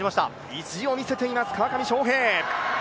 意地を見せています川上翔平。